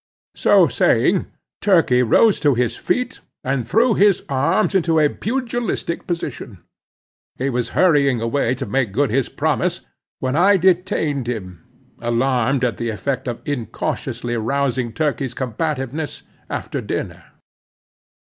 So saying, Turkey rose to his feet and threw his arms into a pugilistic position. He was hurrying away to make good his promise, when I detained him, alarmed at the effect of incautiously rousing Turkey's combativeness after dinner.